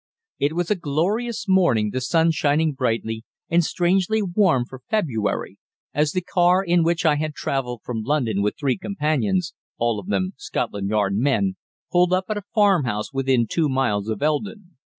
It was a glorious morning, the sun shining brightly, and strangely warm for February, as the car in which I had travelled from London with three companions, all of them Scotland Yard men, pulled up at a farmhouse within two miles of Eldon.